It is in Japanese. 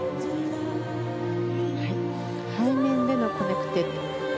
背面でのコネクティッド。